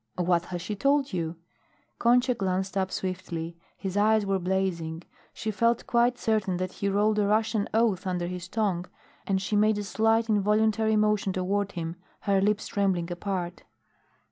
"What has she told you?" Concha glanced up swiftly. His eyes were blazing. She felt quite certain that he rolled a Russian oath under his tongue, and she made a slight involuntary motion toward him, her lips trembling apart.